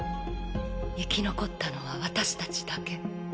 生き残ったのは私たちだけ。